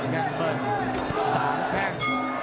๒แข่งเปิ้ล๓แข่ง